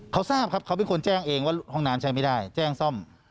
เขาทราบครับเขาเป็นคนแจ้งเองว่าห้องน้ำใช้ไม่ได้แจ้งซ่อม